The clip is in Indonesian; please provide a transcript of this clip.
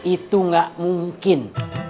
itu gak mungkin